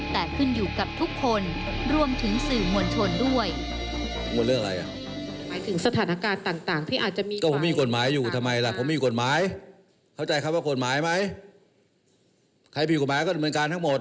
แต่ขึ้นอยู่กับทุกคนรวมถึงสื่อมวลชนด้วย